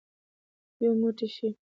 یو موټی شئ.